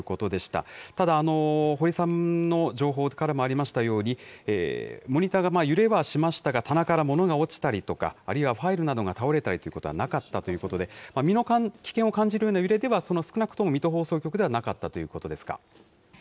ただ、保里さんの情報からもありましたように、モニターが揺れはしましたが、棚から物が落ちたりとか、あるいはファイルなどが倒れたりということはなかったということで、身の危険を感じるような揺れでは、少なくとも水戸放送局ではなかったということですか。